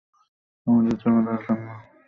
আমাদের যাওয়া দরকার, না?